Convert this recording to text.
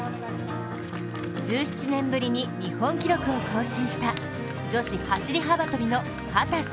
１７年ぶりに日本記録を更新した女子走り幅跳びの秦澄